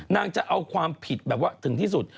จะเอาความผิดแบบว่าถึงที่สุด